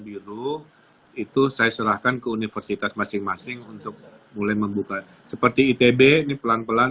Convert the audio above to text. biru itu saya serahkan ke universitas masing masing untuk mulai membuka seperti itb ini pelan pelan